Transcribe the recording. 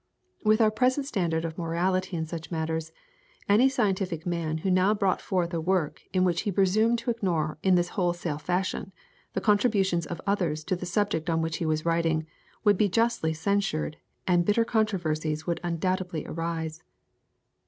With our present standard of morality in such matters, any scientific man who now brought forth a work in which he presumed to ignore in this wholesale fashion the contributions of others to the subject on which he was writing, would be justly censured and bitter controversies would undoubtedly arise.